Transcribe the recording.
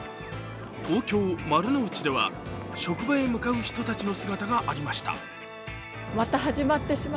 東京・丸の内では、職場へ向かう人たちの姿がありました。